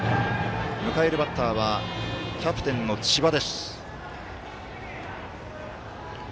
迎えるバッターはキャプテンの千葉です。